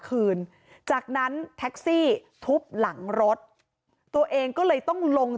แต่แท็กซี่เขาก็บอกว่าแท็กซี่ควรจะถอยควรจะหลบหน่อยเพราะเก่งเทาเนี่ยเลยไปเต็มคันแล้ว